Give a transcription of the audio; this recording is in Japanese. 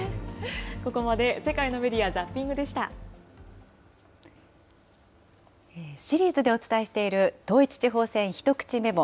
ここまで世界のメディア・ザッピシリーズでお伝えしている、統一地方選ひとくちメモ。